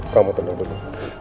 kamu tenang dulu